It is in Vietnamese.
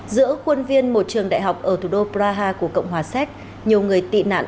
giữa quân viên một trường đại học ở thủ đô praha của cộng hòa séc nhiều người tị nạn